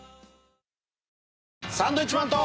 サンドウィッチマンと。